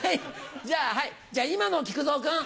じゃあはいじゃあ今の木久蔵君！